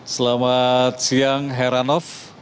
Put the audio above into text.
selamat siang heranov